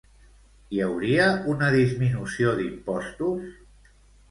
Hi hauria una disminució d'impostos?